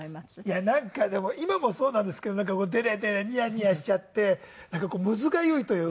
いやなんかでも今もそうなんですけどデレデレニヤニヤしちゃってなんかこうむずがゆいというか。